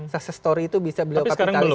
sukses story itu bisa beliau kapitalisasi